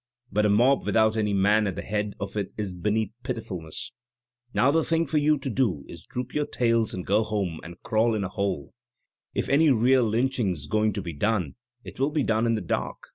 But a mob without any man at the head of it is beneath pitifulness. Now the thing for you to do is to droop your tails and go home and crawl in a hole. If any real lynching's going to be done it will be done in the dark.